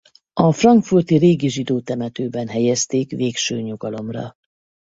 A frankfurti Régi zsidó temetőben helyezték végső nyugalomra.